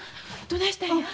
どないしたんや？